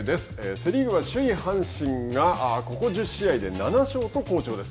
セ・リーグは首位阪神がここ１０試合で７勝と好調です。